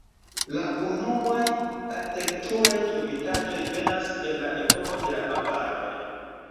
La unuaj arkitekturaj trovitaĵoj venas el la epoko de la avaroj.